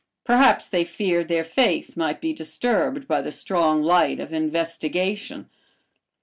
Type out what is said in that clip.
Perhaps they feared their faith might be disturbed by the strong light of investigation.